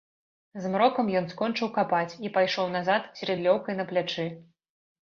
Змрокам ён скончыў капаць і пайшоў назад з рыдлёўкай на плячы.